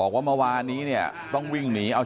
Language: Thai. เราไม่เอาแล้วน้ำเล็งเปล่า